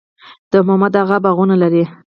د محمد اغه باغونه لري